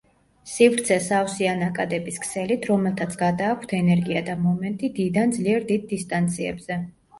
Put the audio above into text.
სივრცე სავსეა ნაკადების ქსელით, რომელთაც გადააქვთ ენერგია და მომენტი დიდ ან ძლიერ დიდ დისტანციებზე.